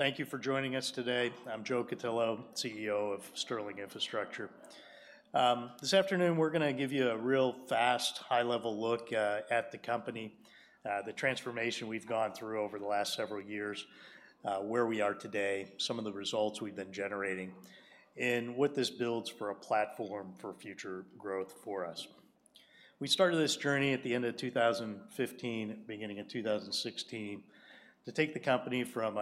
Thank you for joining us today. I'm Joe Cutillo, CEO of Sterling Infrastructure. This afternoon, we're gonna give you a real fast, high-level look at the company, the transformation we've gone through over the last several years, where we are today, some of the results we've been generating, and what this builds for a platform for future growth for us. We started this journey at the end of 2015, beginning of 2016, to take the company from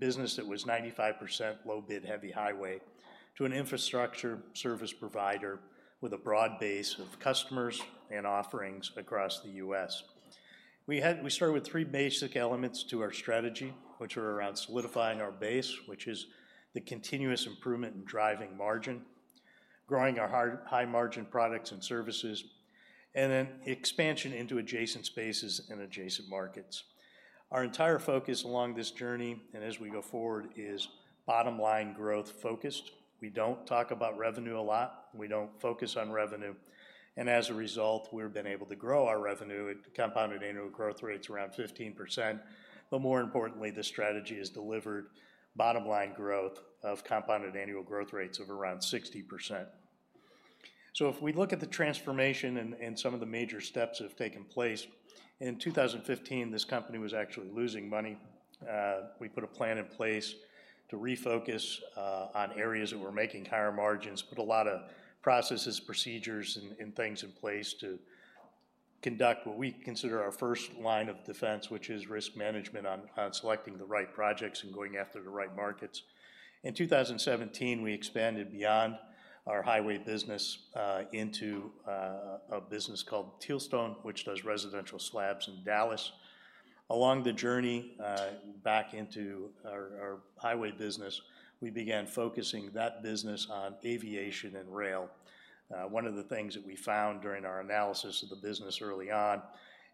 a business that was 95% low bid, heavy highway, to an infrastructure service provider with a broad base of customers and offerings across the US. We started with three basic elements to our strategy, which were around solidifying our base, which is the continuous improvement in driving margin, growing our high-margin products and services, and then expansion into adjacent spaces and adjacent markets. Our entire focus along this journey, and as we go forward, is bottom-line growth focused. We don't talk about revenue a lot. We don't focus on revenue, and as a result, we've been able to grow our revenue at compounded annual growth rates around 15%. But more importantly, the strategy has delivered bottom-line growth of compounded annual growth rates of around 60%. So if we look at the transformation and some of the major steps that have taken place, in 2015, this company was actually losing money. We put a plan in place to refocus on areas that were making higher margins. Put a lot of processes, procedures, and things in place to conduct what we consider our first line of defense, which is risk management on selecting the right projects and going after the right markets. In 2017, we expanded beyond our highway business into a business called Tealstone, which does residential slabs in Dallas. Along the journey back into our highway business, we began focusing that business on aviation and rail. One of the things that we found during our analysis of the business early on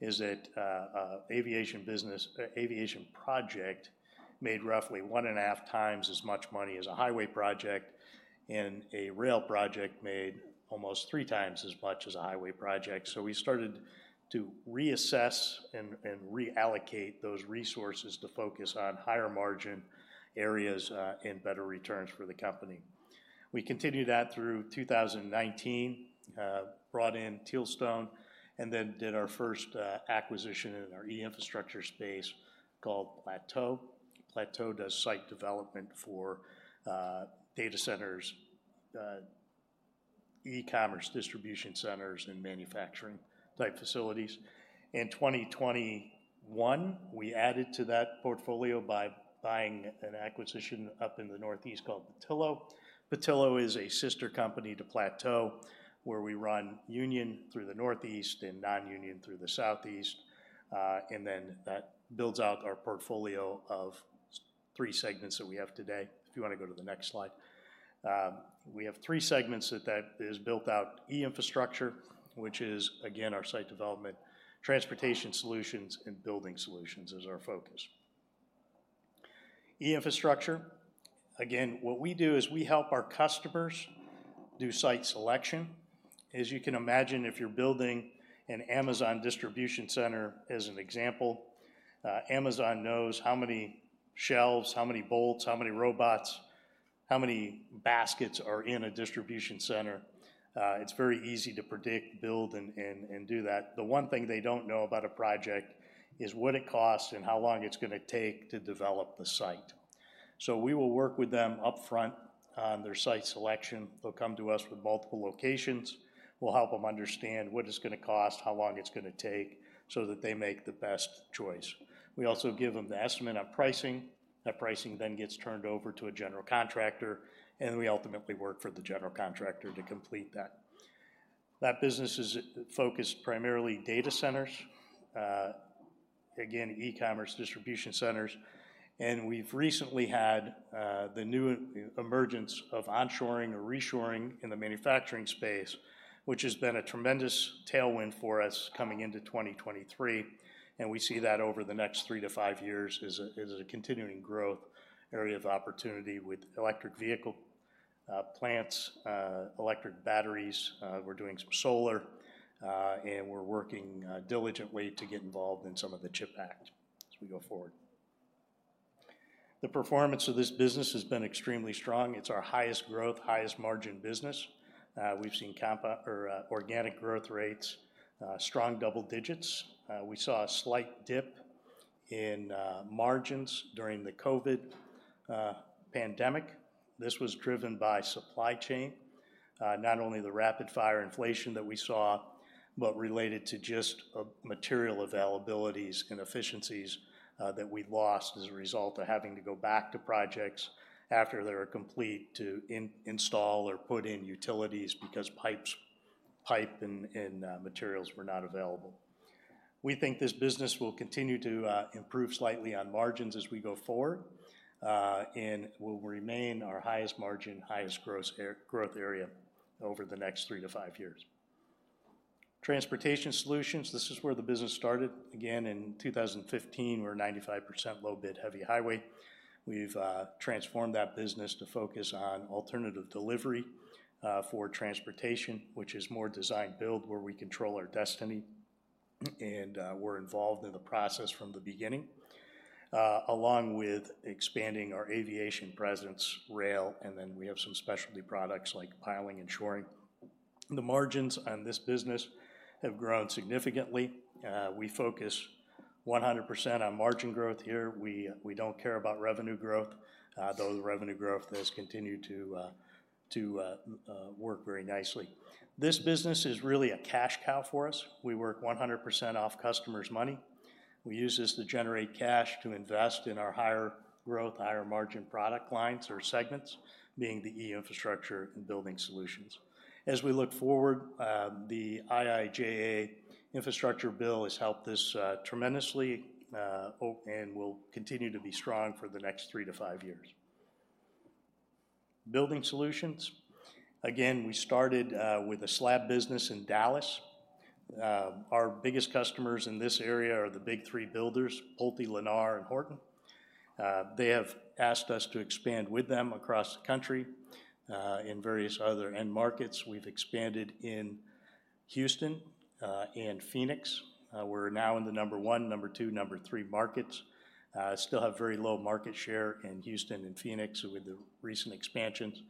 is that aviation project made roughly one and a half times as much money as a highway project, and a rail project made almost three times as much as a highway project. So we started to reassess and reallocate those resources to focus on higher-margin areas, and better returns for the company. We continued that through 2019, brought in Tealstone, and then did our first acquisition in our E-Infrastructure space called Plateau. Plateau does site development for data centers, e-commerce distribution centers, and manufacturing-type facilities. In 2021, we added to that portfolio by buying an acquisition up in the Northeast called Petillo. Petillo is a sister company to Plateau, where we run union through the Northeast and non-union through the Southeast. And then that builds out our portfolio of three segments that we have today. If you wanna go to the next slide. We have three segments that is built out: E-Infrastructure, which is, again, our site development, Transportation Solutions, and Building Solutions is our focus. E-Infrastructure, again, what we do is we help our customers do site selection. As you can imagine, if you're building an Amazon distribution center, as an example, Amazon knows how many shelves, how many bolts, how many robots, how many baskets are in a distribution center. It's very easy to predict, build, and do that. The one thing they don't know about a project is what it costs and how long it's gonna take to develop the site. So we will work with them upfront on their site selection. They'll come to us with multiple locations. We'll help them understand what it's gonna cost, how long it's gonna take, so that they make the best choice. We also give them the estimate on pricing. That pricing then gets turned over to a general contractor, and we ultimately work for the general contractor to complete that. That business is focused primarily data centers, again, e-commerce distribution centers, and we've recently had the new emergence of onshoring or reshoring in the manufacturing space, which has been a tremendous tailwind for us coming into 2023. We see that over the next 3-5 years as a continuing growth area of opportunity with electric vehicle plants, electric batteries. We're doing some solar, and we're working diligently to get involved in some of the CHIPS Act as we go forward. The performance of this business has been extremely strong. It's our highest growth, highest margin business. We've seen organic growth rates, strong double digits. We saw a slight dip in margins during the COVID pandemic. This was driven by supply chain. Not only the rapid-fire inflation that we saw, but related to just, material availabilities and efficiencies, that we lost as a result of having to go back to projects after they were complete, to install or put in utilities because pipes and materials were not available. We think this business will continue to improve slightly on margins as we go forward, and will remain our highest margin, highest gross growth area over the next 3-5 years. Transportation Solutions, this is where the business started. Again, in 2015, we were 95% low bid, heavy highway. We've transformed that business to focus on alternative delivery for transportation, which is more design build, where we control our destiny, and we're involved in the process from the beginning. Along with expanding our aviation presence, rail, and then we have some specialty products like piling and shoring. The margins on this business have grown significantly. We focus 100% on margin growth here. We don't care about revenue growth, though the revenue growth has continued to work very nicely. This business is really a cash cow for us. We work 100% off customers' money. We use this to generate cash to invest in our higher growth, higher margin product lines or segments, being the E-Infrastructure and Building Solutions. As we look forward, the IIJA infrastructure bill has helped us tremendously and will continue to be strong for the next 3-5 years. Building Solutions, again, we started with a slab business in Dallas. Our biggest customers in this area are the big three builders: Pulte, Lennar, and Horton. They have asked us to expand with them across the country, in various other end markets. We've expanded in Houston and Phoenix. We're now in the number 1, number 2, number 3 markets. Still have very low market share in Houston and Phoenix with the recent expansions,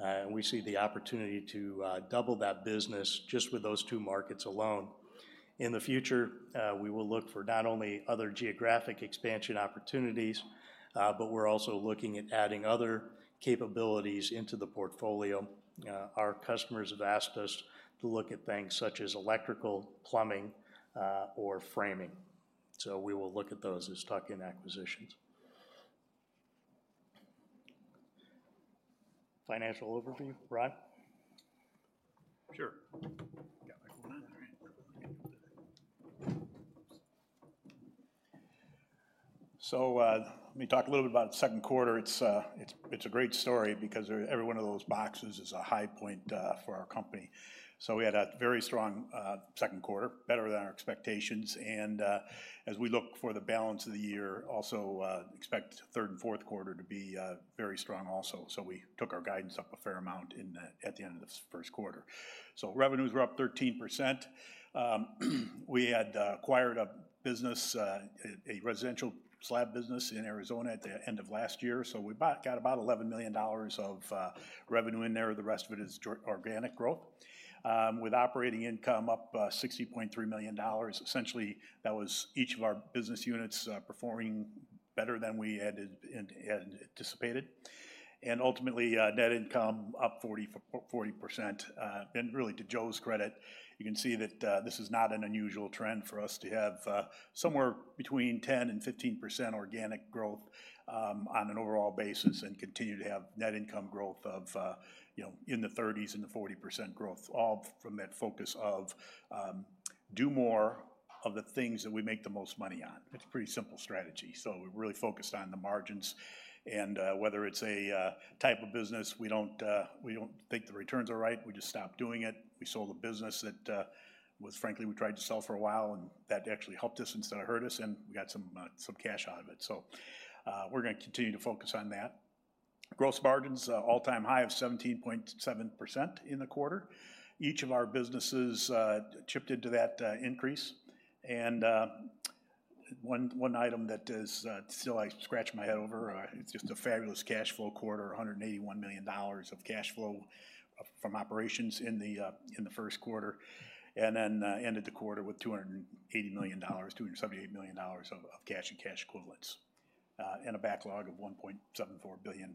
and we see the opportunity to double that business just with those two markets alone. In the future, we will look for not only other geographic expansion opportunities, but we're also looking at adding other capabilities into the portfolio. Our customers have asked us to look at things such as electrical, plumbing, or framing. So we will look at those as tuck-in acquisitions. Financial overview. Ron? Sure. Got my phone on? All right. So, let me talk a little bit about the second quarter. It's a great story because every one of those boxes is a high point for our company. So we had a very strong second quarter, better than our expectations, and as we look for the balance of the year, also expect third and fourth quarter to be very strong also. So we took our guidance up a fair amount at the end of this first quarter. So revenues were up 13%. We had acquired a business, a residential slab business in Arizona at the end of last year, so we got about $11 million of revenue in there. The rest of it is organic growth. With operating income up $60.3 million, essentially, that was each of our business units performing better than we had anticipated. And ultimately, net income up 40%. And really, to Joe's credit, you can see that this is not an unusual trend for us to have somewhere between 10%-15% organic growth on an overall basis, and continue to have net income growth of, you know, in the 30s and 40% growth, all from that focus of do more of the things that we make the most money on. It's a pretty simple strategy, so we're really focused on the margins. And whether it's a type of business, we don't think the returns are right, we just stop doing it. We sold a business that was frankly, we tried to sell for a while, and that actually helped us instead of hurt us, and we got some some cash out of it. So we're gonna continue to focus on that. Gross margins all-time high of 17.7% in the quarter. Each of our businesses chipped into that increase. And one item that is still I scratch my head over, it's just a fabulous cash flow quarter, $181 million of cash flow from operations in the in the first quarter, and then ended the quarter with $280 million, $278 million of of cash and cash equivalents, and a backlog of $1.74 billion.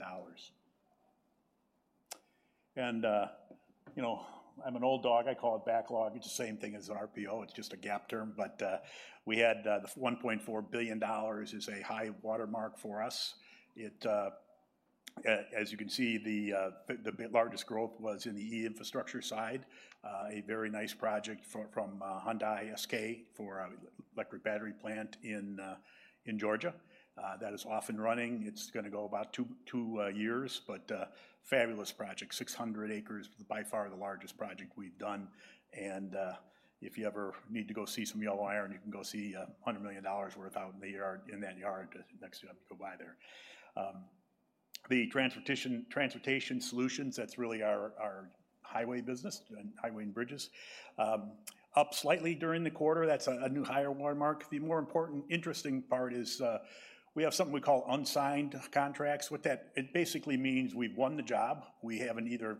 You know, I'm an old dog, I call it backlog. It's the same thing as an RPO, it's just a GAAP term. But we had the $1.4 billion is a high watermark for us. It as you can see, the largest growth was in the E-Infrastructure side. A very nice project from Hyundai SK for a electric battery plant in Georgia. That is off and running. It's gonna go about two years, but a fabulous project. 600 acres, by far the largest project we've done, and if you ever need to go see some yellow iron, you can go see $100 million worth out in the yard, in that yard next to you go by there. The transportation solutions, that's really our highway business, and highway and bridges. Up slightly during the quarter, that's a new higher watermark. The more important interesting part is, we have something we call unsigned contracts. It basically means we've won the job. We haven't either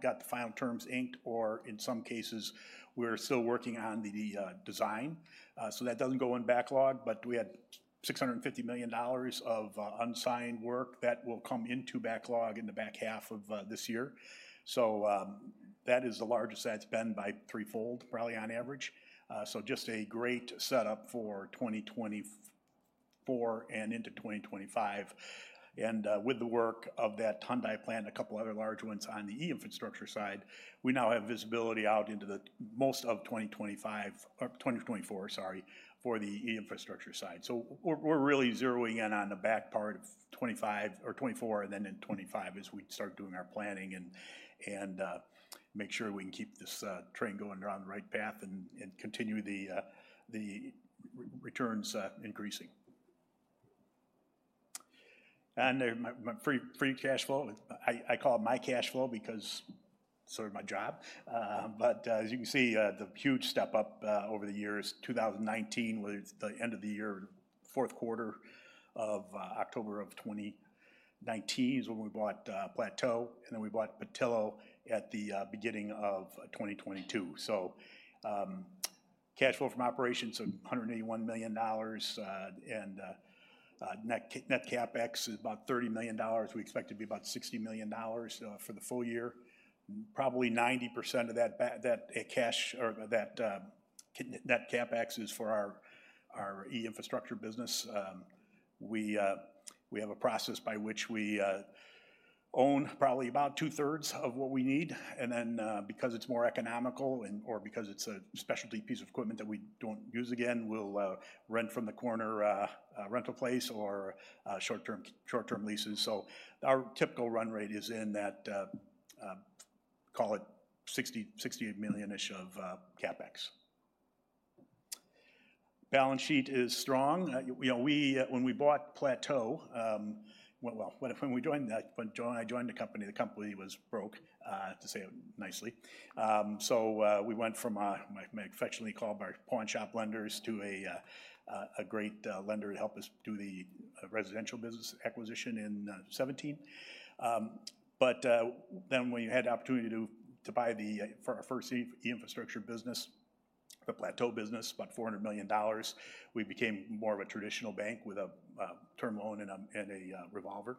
got the final terms inked, or in some cases, we're still working on the design. So that doesn't go in backlog, but we had $650 million of unsigned work that will come into backlog in the back half of this year. So, that is the largest that's been by threefold, probably on average. So just a great setup for 2024 and into 2025. With the work of that Hyundai plant, a couple other large ones on the E-Infrastructure side, we now have visibility out into most of 2025, or 2024, sorry, for the E-Infrastructure side. So we're really zeroing in on the back part of 2025 or 2024, and then in 2025 as we start doing our planning and make sure we can keep this train going down the right path and continue the returns increasing. And my free cash flow, I call it my cash flow because it's sort of my job. But, as you can see, the huge step up over the years, 2019 was the end of the year, fourth quarter of October of 2019 is when we bought Plateau, and then we bought Petillo at the beginning of 2022. So, cash flow from operations is $181 million, and net CapEx is about $30 million. We expect it to be about $60 million for the full year. Probably 90% of that cash or that net CapEx is for our E-Infrastructure business. We have a process by which we own probably about two-thirds of what we need, and then, because it's more economical or because it's a specialty piece of equipment that we don't use again, we'll rent from the corner rental place or short-term leases. So our typical run rate is in that call it $60-$68 million-ish of CapEx. Balance sheet is strong. You know, we... When we bought Plateau, well, when I joined the company, the company was broke, to say it nicely. So, we went from I affectionately called our pawnshop lenders to a great lender to help us do the residential business acquisition in 2017. But then when we had the opportunity to buy for our first E-Infrastructure business, the Plateau business, about $400 million, we became more of a traditional bank with a term loan and a revolver.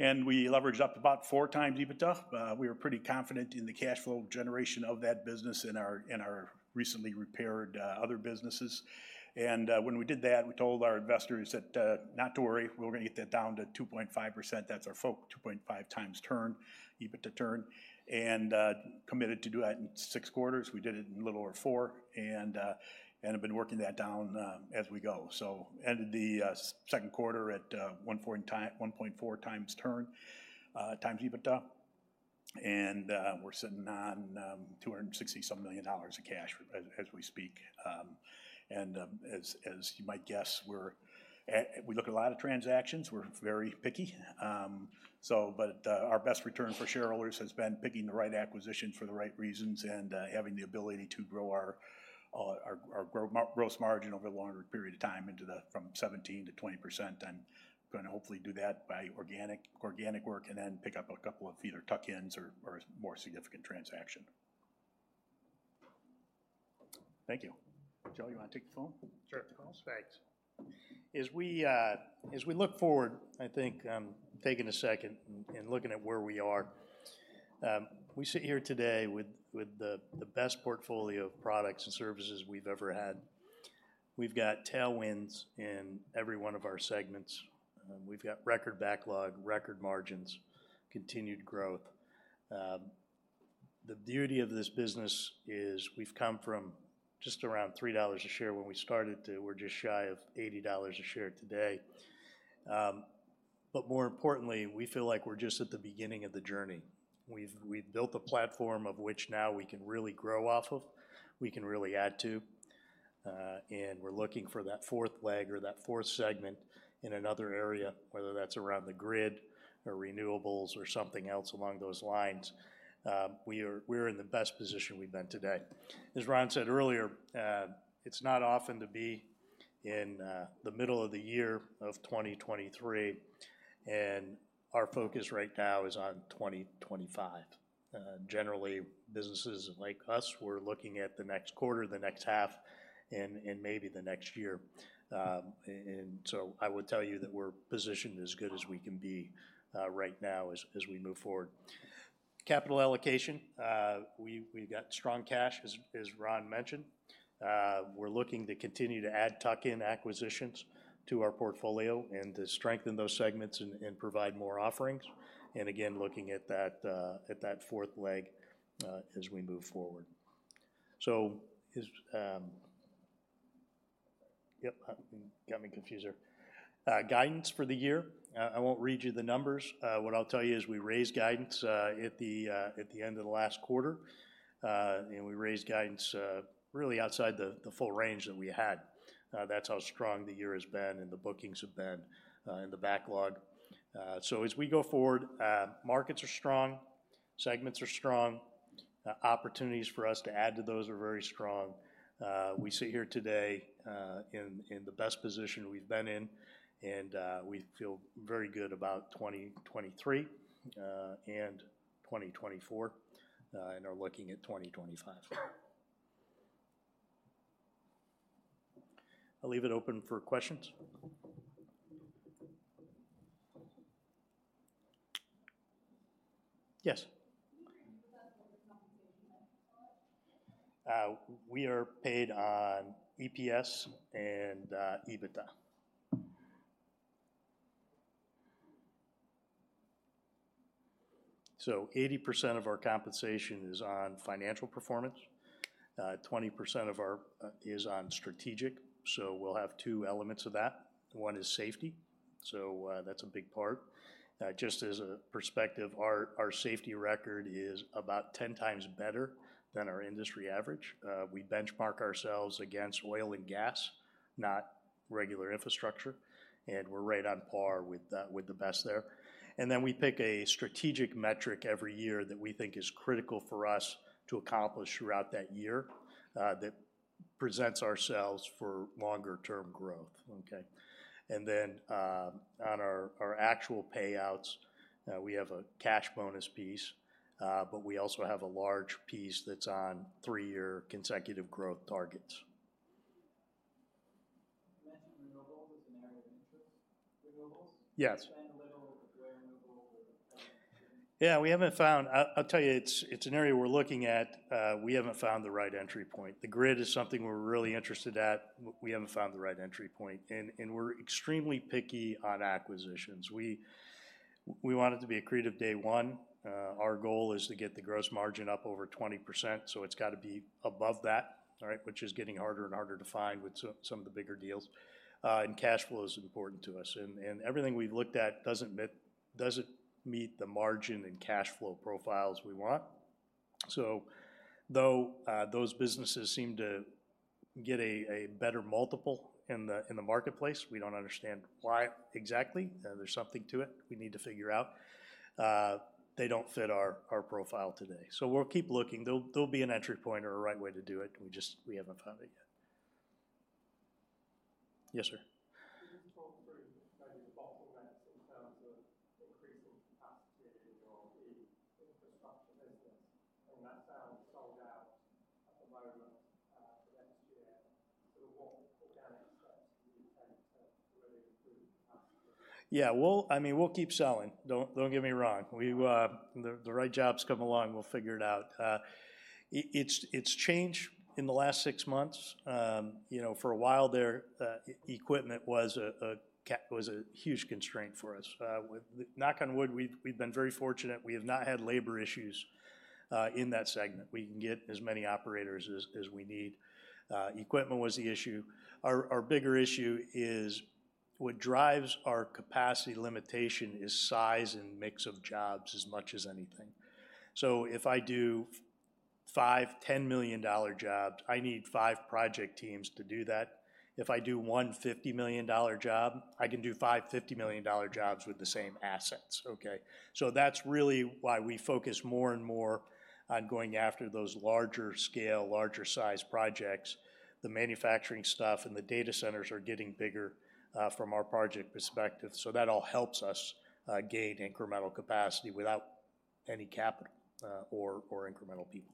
We leveraged up about 4x EBITDA. We were pretty confident in the cash flow generation of that business and in our recently repaired other businesses. When we did that, we told our investors not to worry, we're gonna get that down to 2.5x. That's our focus, 2.5x EBITDA, and committed to do that in 6 quarters. We did it in a little over 4, and have been working that down as we go. Ended the second quarter at one point in time 1.4 times turn times EBITDA, and we're sitting on $267 million of cash as we speak. And as you might guess, we look at a lot of transactions. We're very picky. But our best return for shareholders has been picking the right acquisition for the right reasons and having the ability to grow our gross margin over a longer period of time from 17%-20%. And gonna hopefully do that by organic work, and then pick up a couple of either tuck-ins or a more significant transaction. Thank you. Joe, you wanna take the phone? Sure. Thanks. As we as we look forward, I think, taking a second and looking at where we are, we sit here today with the best portfolio of products and services we've ever had. We've got tailwinds in every one of our segments, we've got record backlog, record margins, continued growth. The beauty of this business is we've come from just around $3 a share when we started to we're just shy of $80 a share today. But more importantly, we feel like we're just at the beginning of the journey. We've built a platform of which now we can really grow off of, we can really add to, and we're looking for that fourth leg or that fourth segment in another area, whether that's around the grid, or renewables, or something else along those lines. We're in the best position we've been today. As Ron said earlier, it's not often to be in the middle of the year of 2023, and our focus right now is on 2025. Generally, businesses like us, we're looking at the next quarter, the next half, and maybe the next year. And so I would tell you that we're positioned as good as we can be right now as we move forward. Capital allocation, we've got strong cash, as Ron mentioned. We're looking to continue to add tuck-in acquisitions to our portfolio and to strengthen those segments and provide more offerings, and again, looking at that fourth leg as we move forward. So is... Yep, got me confused there. Guidance for the year, I won't read you the numbers. What I'll tell you is we raised guidance at the end of the last quarter. And we raised guidance really outside the full range that we had. That's how strong the year has been, and the bookings have been, and the backlog. So as we go forward, markets are strong, segments are strong, opportunities for us to add to those are very strong. We sit here today in the best position we've been in, and we feel very good about 2023 and 2024 and are looking at 2025. I'll leave it open for questions. Yes? Can you repeat that whole compensation package? We are paid on EPS and EBITDA. So 80% of our compensation is on financial performance, 20% of our is on strategic. So we'll have two elements of that. One is safety, so that's a big part... Just as a perspective, our safety record is about 10 times better than our industry average. We benchmark ourselves against oil and gas, not regular infrastructure, and we're right on par with the best there. And then we pick a strategic metric every year that we think is critical for us to accomplish throughout that year, that presents ourselves for longer term growth, okay? And then on our actual payouts, we have a cash bonus piece, but we also have a large piece that's on three-year consecutive growth targets. You mentioned renewables as an area of interest. Renewables? Yes. Expand a little where renewables- Yeah, we haven't found—I, I'll tell you, it's, it's an area we're looking at. We haven't found the right entry point. The grid is something we're really interested at, we haven't found the right entry point, and we're extremely picky on acquisitions. We want it to be accretive day one. Our goal is to get the gross margin up over 20%, so it's got to be above that, all right? Which is getting harder and harder to find with some of the bigger deals. And cash flow is important to us, and everything we've looked at doesn't meet the margin and cash flow profiles we want. So though, those businesses seem to get a better multiple in the marketplace, we don't understand why exactly. There's something to it we need to figure out. They don't fit our, our profile today. So we'll keep looking. There'll be an entry point or a right way to do it, we just... We haven't found it yet. Yes, sir? Can you talk through maybe the bottlenecks in terms of increasing capacity or the infrastructure business, and that sounds sold out at the moment for next year? So what organic steps do you take to really improve capacity? Yeah, we'll, I mean, we'll keep selling. Don't, don't get me wrong. We, the right jobs come along, we'll figure it out. It's changed in the last 6 months. You know, for a while there, equipment was a huge constraint for us. Knock on wood, we've, we've been very fortunate. We have not had labor issues in that segment. We can get as many operators as we need. Equipment was the issue. Our bigger issue is, what drives our capacity limitation is size and mix of jobs as much as anything. So if I do $5-$10 million jobs, I need 5 project teams to do that. If I do 1 $150 million job, I can do 5 $50 million jobs with the same assets, okay? That's really why we focus more and more on going after those larger scale, larger sized projects. The manufacturing stuff and the data centers are getting bigger, from our project perspective, so that all helps us, gain incremental capacity without any capital, or, or incremental people.